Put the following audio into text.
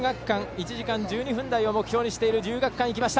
１時間１２分台を目標にしています。